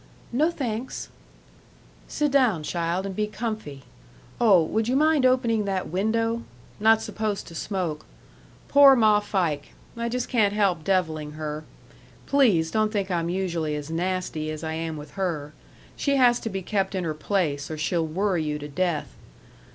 "No, thanks." "Sit down, child, and be comfy. Oh, would you mind opening that window? Not supposed to smoke.... Poor Ma Fike I just can't help deviling her. Please don't think I'm usually as nasty as I am with her. She has to be kept in her place or she'll worry you to death....